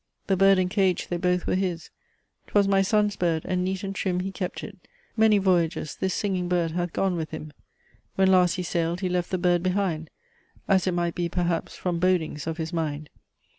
The Bird and Cage they both were his 'Twas my Son's Bird; and neat and trim He kept it: many voyages This Singing bird hath gone with him; When last he sailed he left the Bird behind; As it might be, perhaps, from bodings of his mind.